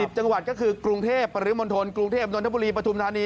จังหวัดก็คือกรุงเทพปริมณฑลกรุงเทพนนทบุรีปฐุมธานี